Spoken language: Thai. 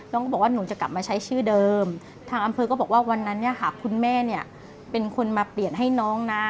ก็บอกว่าหนูจะกลับมาใช้ชื่อเดิมทางอำเภอก็บอกว่าวันนั้นเนี่ยค่ะคุณแม่เนี่ยเป็นคนมาเปลี่ยนให้น้องนะ